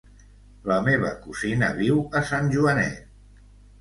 La meva cosina viu a Sant Joanet.